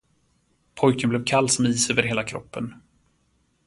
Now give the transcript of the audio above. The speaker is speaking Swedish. Pojken blev kall som is över hela kroppen.